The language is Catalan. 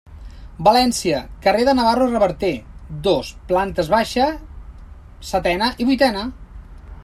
València, carrer de Navarro Reverter, dos, plantes baixa, setena i vuitena.